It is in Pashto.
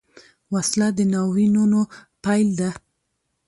وسله د ناورینونو پیل ده